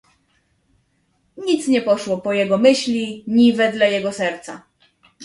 "Nic nie poszło po jego myśli, ni wedle jego serca."